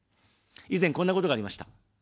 以前、こんなことがありました。